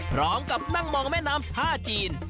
พร้อมกับนั่งมองแม่น้ำท่าจีน